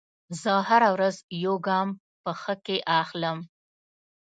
زه هره ورځ یو ګام په ښه کې اخلم.